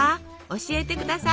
教えてください。